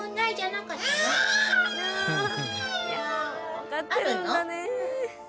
分かってるんだねぇ。